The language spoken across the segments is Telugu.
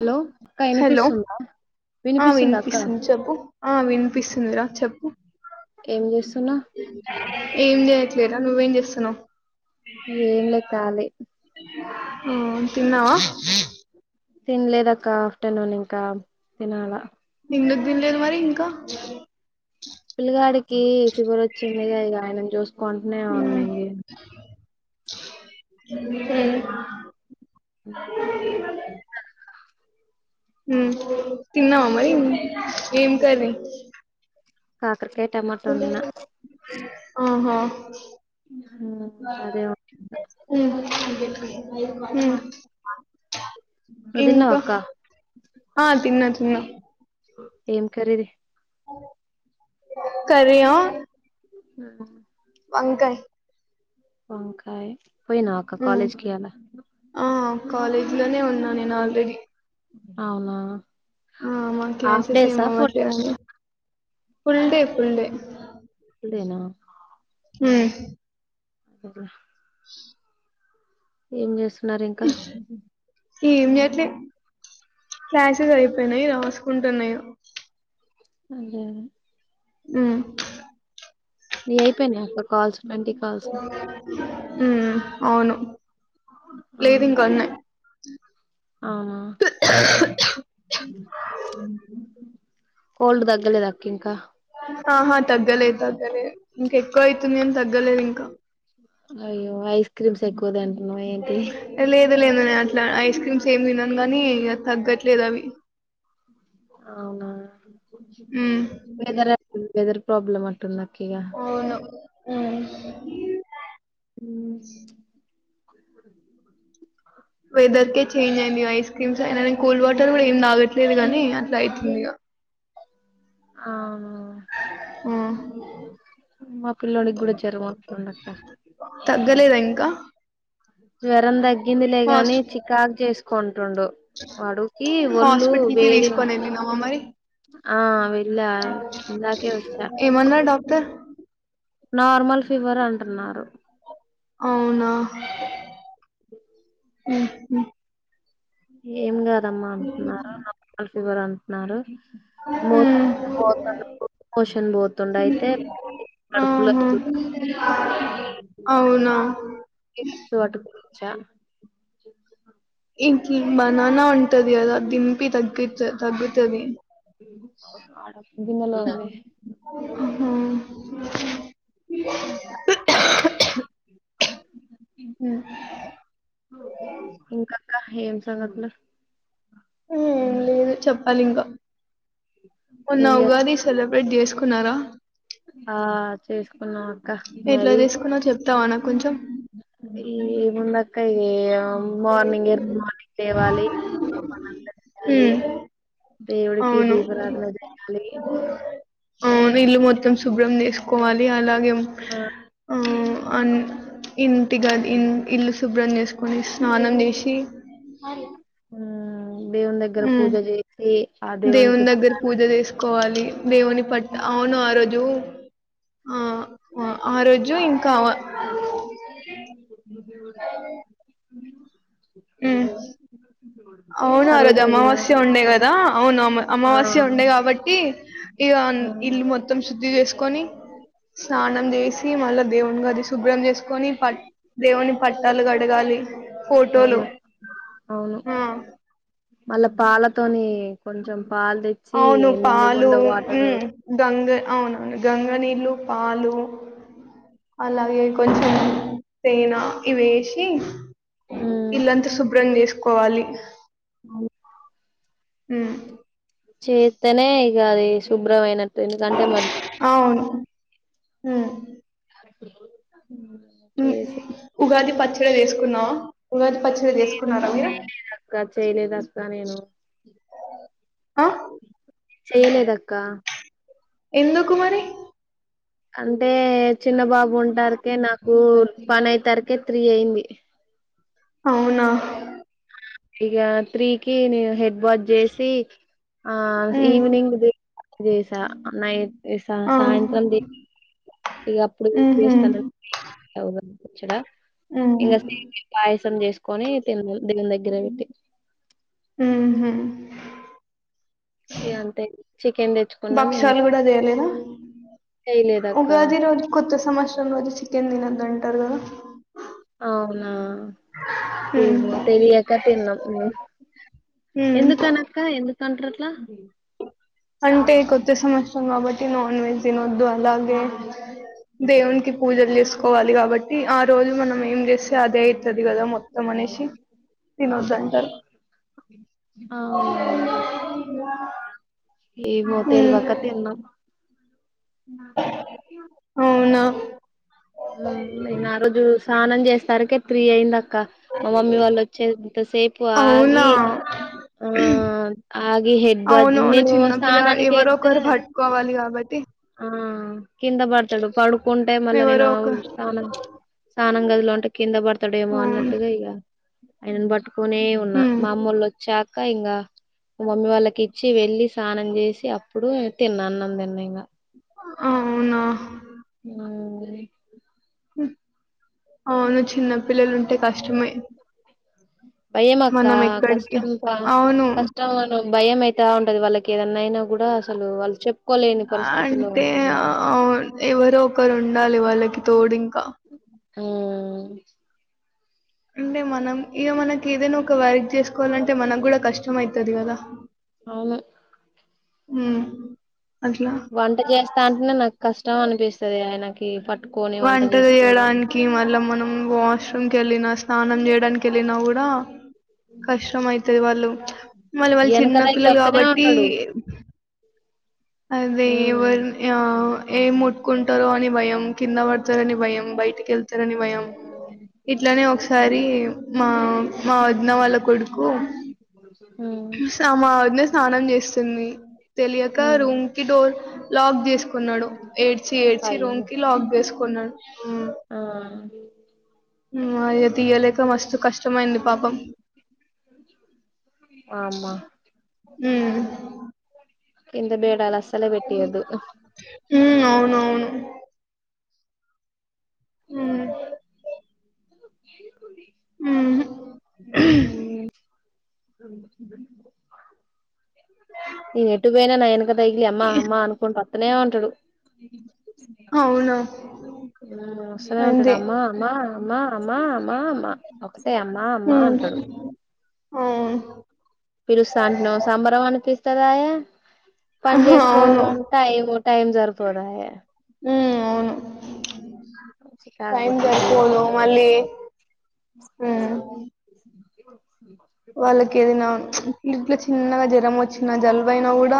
హలో అక్క హలో వినిపిస్తుందా ఆ వినిపిస్తుందా అక్క వినిపిస్తుంది చెప్పు ఆ వినిపిస్తుందిరా చెప్పు ఏం చేస్త ఏం జే లేదా నువ్వేం చేస్తున్నావు ఏం లే కాలి ఆ తిన్నవా తిన్లేదక్క ఆఫ్టర్నూన్ ఇంకా తినాలా ఎందుక్ తన్లేదు మరి ఇంకా పిల్లగాడికీ ఫీవర్ వచ్చింది ఇగ ఇగ ఆయనన్ చూసుకుంటూనే ఉన్నా ఇంగ ఆ సరే హ్మ్ తిన్నవ మరి ఏం కార్రీ కా కర్కయ్ టమాటోండిన్న ఓ హ్మ్ అదే వా హ్మ్ నువ్వు తిన్నావా ఇంకా అక్క ఆ తిన్నచ్చ తిన్న ఏం కర్రిది. కరియ హ్మ్ వంకాయ్ వంకాయ్. హ్మ్ ఆ కాలేజ్ లోనే ఉన్నా. నేను ఆల్రెడీ. ఔనా. ఆ మాక్క్లాసెస్ ఏమి అవ్వట్లేదని. Full day full day. ఇదేనా. హ్మ్ [unintelligible] ఏం చేస్ మరి ఇంకా. ఏం చేయట్లే. క్లాసెస్ అయిపోయినాయ్ రాస్. కుంటున్నాయో. అదేలే. హ్మ్ నీయి అయిపోయినాయ అక్క కాల్స్. ట్వంటీ కాల్స్ హ్మ్ అవును. లేదు ఇంకా ఉన్నాయి. ఔనా. కోల్డ్ దగ్గలేదా అక్క ఇంకా. ఆహా తగ్గలే తగ్గ్ తగ్గలే ఇంకా ఎక్కువయత్ ఏం తగ్గలేదు ఇంకా. అయ్యో ఐస్ క్రీమ్స్ ఎక్కువ తిండ్. నువ్వేంటి. తిన లేదు అట్లా ఐస్ క్రీమ్స్ ఏం తినను కానీ తగ్గట్లేదు అవి. అవునా ఉమ్ నిదరోత్తంద్ వెదర్ ప్రాబ్లమ్ అట్టునాట్. కేయా హ్మ్ మ్మ్ వెదర్ కి చేంజ్ అయింది వయి [unintelligible] కూల్ వాటర్ కూడా ఏం తాగట్లేదు గానీ అట్లా అయితంది ఇగ ఆ ఆ మా పిల్లోడికి కూడా జ్వరం వస్తందక్క తగ్గలేదా ఇంకా జ్వరందగ్ హాస్ ఇందులేగాని చికాక్ చేసు కొన్ రెండు వడుకి ఒళ్ల్ళు వేడి గున్ ఇందాకే వచ్చా ఏమన్నార్ డాక్టర్ నార్మల్ ఫీవర్ అంటున్నారు అవునా [inaudible] హ్మ్మ్ ఏముంద దమ్మ అంటున్నారు చివర అంటున్నారు మో ఉమ్ పోతు మోషన్ పోతుండ అయితే ఆహా కడుపులోటు అవునా జ ఇంకా బనానా ఉంటుంది కదా దీని పీ తగ్గుత తగ్గుతది [inaudible] గిన్నెలో ఉంది [inaudible] అ హమ్ ఇంకా ఏం సంగతులు హమ్ లేదు చెప్పాలి ఇంకా ఏం మొన్న ఉగాది చేస్తున్నారు సెలబ్రేట్ దవస్ కున్నారా ఆ చేసుకున్నాం అక్క ఎట్లా మరి చేసుకున్నావ్ చెప్తావా నాకు కొంచెం ఈముంద అక్క ఏమ్ మార్నింగ్ మార్నింగ్ తేవాలి పానంత చేయాలి ఉమ్ దేవుడికి అవును దీపారధన చేయాలి ఆ నీళ్లు మొత్తం శుభ్రం చేేసుకోవాలి అలాగే ఆ ఆ అన్ ఇంటిగది ఇల్లు శుభ్రం చేసుకుని ఆనందేశి అ ఆ దేవుని దగ్గర ఉ పూజ చేసి దేవునికి దేవుని దగ్గర పూజ చేసుకోవాలి దేవుని పట్ అవును ఆ రోజు ఆ ఆ రోజు ఇంకా అవునా ఆ రోది రోజు అమావాస్య ఉండే కదా అవును ఆ అమావస్య ఉండే కాబట్టి ఇగ ఆ ఇల్ మొత్తం శుద్ధి చేసుకొని స్నానం చేసి మళ్ళా దేవుని గది శుభ్రం చేసుకొని ప దేవుని పట్టాలు కడగాలి ఫోటోలు అవును అవును మళ్ళా పాలతోని కొంచెం పాలు తెచ్చి అవును పాలు నిండుగుండ వాటరు గంగ అవునవును గంగ నీళ్ళు పాలు అలాగే కొంచెం తేనె ఇవి వేసి ఇల్ంత సుభ్రం చేసుకు కోవాలి అవు చేతనే గారి శుభ్రమైన ఎందుగంటే మధ్య్ హ చేసి ఉగాది పచ్చడి చేసుకున్నావు ఉగాది పచ్చడి తీసుకున్నారా మీరా అక్క చేయలేదక్క నేను ఆ చేయలేదక్క ఎందుకు మరి అంటే చిన్న బాబు ఉంటారుకే నాకు పన్ అయితరకే త్రీ అయింది అవునా ఈగ త్రీకి నేను హ బాజ చేసి ఆ హ్మ్ ఈవినింగ్ దసా నై ఈ సా ఆ సాయంత్రం ఇగ అప్పుడు ఊహూ దేవస్థాన ఇచ్చాడా హ్మ్ ఇగ సేమ్య పాయసం సం చేసుకొని తిన్నం దేవుందగ్గర పెట్టి హహా య అంతే చికెన్ తెచ్చుకున్నాం భక్ష్యాలు ఇంట్లో గూడ చేయలేదా చేయలేదక్క ఉగాది రోజు కొత్త సంవత్సరం రోజు చికెన్ తినద్దంటరు గదా అవునా హ్మ్ ఏమో తెలియక తిన్నం హ్మ్ ఎందుకనక్క ఎందుకు సంట్రట్లా అంటే కొత్త సంవత్సరం కాబట్టి నాన్ వెజ్ తినొద్దు అలాగే దేవునికి పూజలు చేసుకోవాలి కాబట్టి ఆ రోజు మనం ఏం చేస్తే అదే అయితది గదా మొత్తం అనేశి తినొద్దంటరు అవునా ఏమో తెల్వక తిన్నం అవునా [inaudible] నేను ఆ రోజు స్నానం చేస్తారకే త్రీ అయిందక్క మా మమ్మీ వాళ్ళు వచ్చేంతసేపు అవునా ఆగి ఆ ఆగి హెడ్ బాత్ అవునవును నేను చిన్న స్నానానికి ఎళ్తే తి ఆ కిందపడతడు పడుకుంటే మళ్ళ నేను ఎవరో ఒక స్నానం స్నానం గదిలో ఉంటే కిందపడుతడేమో అవును అన్నట్టుగ ఇగ అయినన్ బట్టుక్ కునే ఉన్న ఉమ్ మామ్మెల్లొచ్చాక ఇకా ఇంగా మమ్మీ వాళ్ళకిచ్చి వెళ్ళి స్నానం చేసి అప్పుడు తిన్న అన్నందిన్నిగ ఇంగ అవునా ఊ అవును చిన్న పిల్లలుంటే కష్టమే భయమక్కా మనం ఎక్కడికి కష్టం గ అవును కష్టమనూ భయం అయితా ఉంటది వాళ్ళకి ఏదన్నయినా గూడా అసలు వాళ్ళు చెప్ అంటే ఆ ఎవరో ఒకరు ఉండాలి వాళ్ళకి తోడింగ్ ఉ అంటే మనం ఇక మనకి ఏదైనా ఒక వర్క్ చేసుకోవాలంటే మనగ కూడా కష్టమ అతుది ఇవద అవును మ్ వంట చేస్తా అంటేనే నాకు కష్ట ష్టం అనిపిస్తుంది ఆయనకి ప వంట చేయడానికి మళ్ళ మనం వాష్రూమ్ కెళ్ళినా స్నానం చేయడానికెళ్ళినా కూడా కష్టం అయితది వాళ్ళు మళ్ళీ వాళ్ళు వెనక చిన్న దగ్గర పిల్లలు వత్తనే కాబట్టి ఉంటాడు అదేవ ఉమ్ ఆ [unintelligible] ఏం ముట్టుకుంటారు అని భయం కింద పడతదని భయం బయటికెళ్తదని భయం ఇట్లానే ఒకసారి అదే మా మా వదిన వాళ్ళ కొడుకు ఉమ్ మా వదిన స్నానం చేస్తుంది తెలియక ఇ ఉమ్ రూమ్ కి డోర్ లాక్ చేసుకున్నాడు ఏడ్చి ఏడ్చి రూమ్ అయ్యో కి లాక్ చేసుకున్నాడు ఆ మ్ అయ్యొ తియ్యలేక మస్తు కష్టమైంది పాపం వామ్మ ఇంద బేడాల సలవ్ పెట్టీయ్యొద్ధు ఉమ్ అవునఅవును మ్.. కు [unintelligible] మ్ మ్.... బ బ [unintelligible] నువు ఎటు పోయినా న ఇక డ్తెలీ అమ్మా అమ్మా అనుకుంట లేవంటడు అవునా మ్ వ‍స్తూనే ఉంటడు అంతే అమ్మా అమ్మా అమ్మా అమ్మా అమ్మా అమ్మా ఒకటే అమ్మా అమ్మా అంటారు మ్... పిలుస్తాంట ను సంబరం నికి ఇత్తదాయా పని చేసుకో అవును టైము టైం సరిపోదాయె ఉమ్.. అవును చికాకు టైం పుట్టిద్ది సరిపోదు ఒక్కొక్కసారి మళ్ళీ మ్ వాళ్ళకి ఎదినా ఇ ఇంట్లో చిన్నగా జ్వరం వచ్చిన జలుబైన కూడా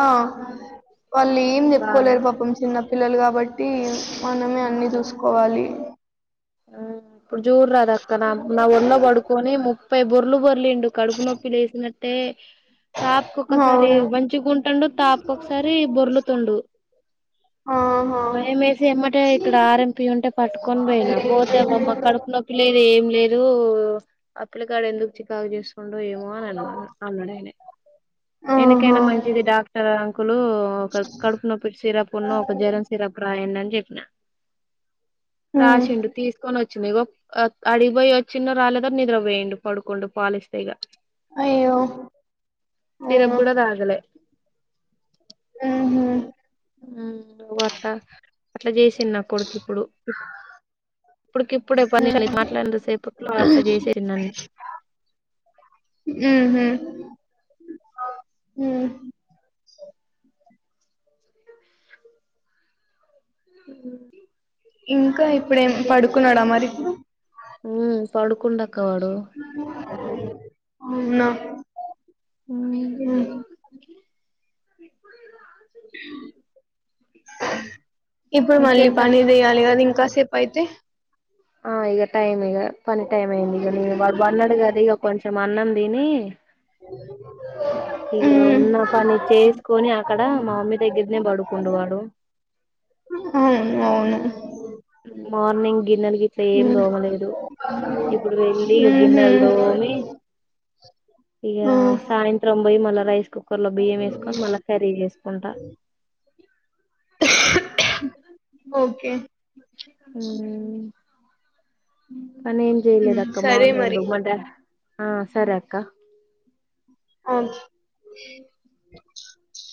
వాళ్ళు ఏం బాగా చెప్పుకోలేరు పాపం చిన్న పిల్లలు కాబట్టి మనమే అన్ని చూసుకోవాలి ఆ ఇప్పుడు జూడు రాదు అక్క నా నా ఒళ్ళ పడుకొని ముప్పై బొర్లు బొర్లిండు కడుపు నొప్పిలు వేసినట్టే తాపుకక్కసారి అవును మంచిగుంటండు తాపకొసారి బొర్లుతుండు ఆహా భయం వేసి ఏమ్మటే ఇక్కడ ఆర ఎంపి ఉంటే పట్టుకొని పోయినా పోతే బమ్మ కడుపు నొప్పి లేదు ఏం లేదు ఇ అ పిలకాడ ఎందుకు చికాకు చేసుకుండో ఏమో అని అన్నారు అన్నడనే ఎందుకైనా ఆహా మంచిది డాక్టర్ అంకులు ఒక కడుపు నొప్పి సిరప్ ఉన్న ఒక జరన్ సిరప్ రాయండి అని చెప్పిన ఉమ్. రా్రాసిండు తీసుకొని వచ్చ మీగ అడిగిపోయి వచ్చినో రాలేద నిద్ర పోఇన్డు పడుకోండు పాలిస్తే ఇక అయ్యో సిరప్ అవును కూడా తాగాలే మ్మ్ హ్మ్ ను్ అట్లా అట్లా చేసి చిన్న కొడుకి ఇప్పుడు ఇప్పుటికి ఇప్పుడే పర్ని ఉమ్. మాట్లాడిన సేపట్లో అ చేసేరి నన్నన్ని మ్మ్ ఇంకా ఇప్పుడేం పడుకున్నాడా మరి హ్మ పడుకుండ అవునా ఉమ్ మ్మ్ ఇప్పుడు మళ్ళీ ఇంకేంటక్క పనిదియాలి కదా ఇంకాసే అయితే ఆ ఇక టైమ్ ఇక పని టైమ్ అయి్యందిక నను బ బడిన్నాడుగాద ఇక కొంచెం మ అన్నం దినీ ఇగ ఉమ్. ఉన్న పని చేసుకొని అక్కడ మా మమ్మీ దగ్గరనే పడుకుండు వాడు అవును అవును మార్నింగ్ గిన్నెల్ గిట్లా ఏం ఉమ్. దోమలేదు ఇప్పుడు వెళ్ళి ఇక ఉహు. గిన్నెల్ దోమి ఇగా ఆ. సాయ పోయి మల్ల రైస్ కుక్కర్ లో బియ్యం వేసుకొని మళ్ళ కర్రీ చేసుకుంటా ఓకే హ్మ్ తను ఏం జెయలేదు ఉమ్. అక్క సరే మార్నింగు మరి మా డా ఆ సరే అక్క అ